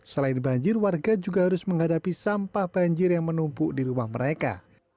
selain banjir warga juga harus menghadapi sampah banjir yang menumpuk di rumah mereka